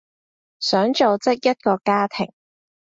想組織一個家庭